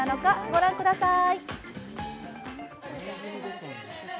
ご覧ください。